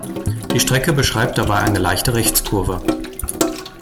Die Strecke beschreibt dabei eine leichte Rechtskurve.